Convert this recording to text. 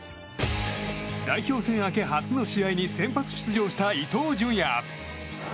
代表戦明け初の試合に先発出場した伊東純也。